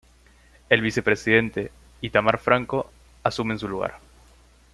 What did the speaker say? El vice presidente, Itamar Franco, asume en su lugar.